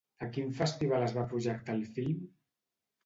A quin festival es va projectar el film?